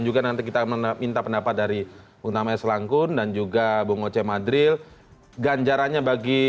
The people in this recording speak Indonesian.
juga nanti kita minta pendapat dari uname selangkun dan juga bung oce madril ganjarannya bagi